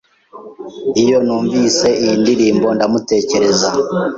Iyo numvise iyi ndirimbo, ndamutekereza.